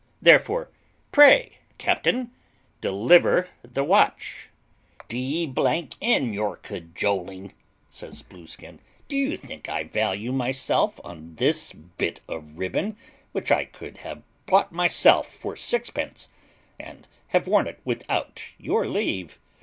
Therefore pray, captain, deliver the watch." "D n your cajoling," says Blueskin: "do you think I value myself on this bit of ribbon, which I could have bought myself for sixpence, and have worn without your leave?